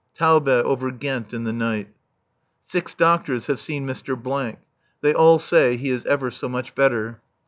Taube over Ghent in the night. Six doctors have seen Mr. . They all say he is ever so much better.